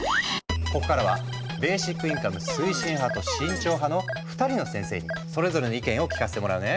ここからはベーシックインカム推進派と慎重派の２人の先生にそれぞれの意見を聞かせてもらうね。